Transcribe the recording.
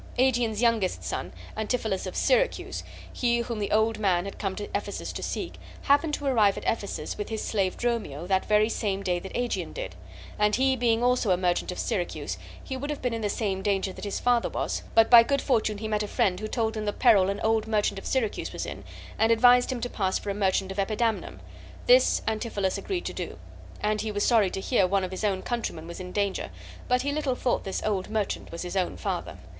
Aegeon's youngest son, Antipholus of Syracuse, he whom the old man had come to Ephesus to seek, happened to arrive at Ephesus with his slave Dromio that very same day that Aegeon did; and he being also a merchant of Syracuse, he would have been in the same danger that his father was, but by good fortune he met a friend who told him the peril an old merchant of Syracuse was in, and advised him to pass for a merchant of Epidamnum. This Antipholus agreed to do, and he was sorry to hear one of his own countrymen was in this danger, but he little thought this old merchant was his own father.